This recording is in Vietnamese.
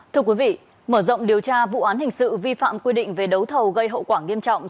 thưa quý vị mở rộng điều tra vụ án hình sự vi phạm quy định về đấu thầu gây hậu quả nghiêm trọng